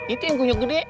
itu yang kunyuk gede